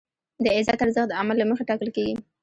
د عزت ارزښت د عمل له مخې ټاکل کېږي.